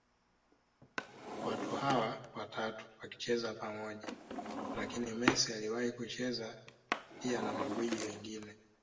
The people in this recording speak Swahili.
watu hawa watatu wakicheza pamoja Lakini Messi aliwahi kuchezaji pia na magwiji wengine